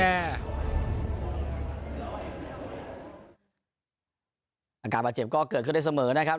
อาการบาดเจ็บก็เกิดขึ้นได้เสมอนะครับ